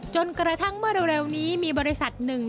จนกระทั่งเมื่อเร็วนี้มีบริษัทหนึ่ง